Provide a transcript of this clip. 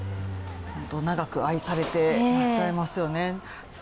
長く愛されていらっしゃいますよね。